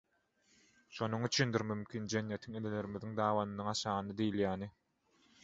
Şonuň üçindir mümkin, jennetiň enelerimiziň dabanynyň aşagynda diýilýäni?